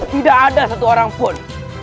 tidak ada satu orang pun